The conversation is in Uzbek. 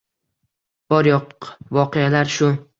Bor-yoʻq voqealar – shu.